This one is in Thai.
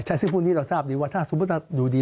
ใช่ซึ่งพวกนี้เราทราบดีว่าถ้าสมมุติดูดี